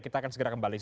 kita akan segera kembali